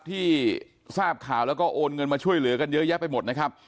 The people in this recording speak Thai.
ที่ทราบข่าวแล้วก็โอนเงินมาช่วยเหลือกันเยอะแยะไปหมดนะครับ